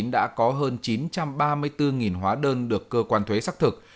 đã có hơn chín trăm ba mươi bốn hóa đơn được cơ quan thuế xác thực